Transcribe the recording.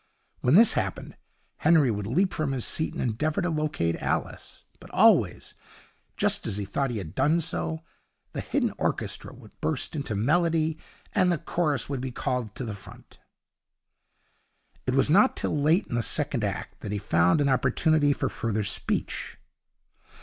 When this happened, Henry would leap from his seat and endeavour to locate Alice; but always, just as he thought he had done so, the hidden orchestra would burst into melody and the chorus would be called to the front. It was not till late in the second act that he found an opportunity for further speech.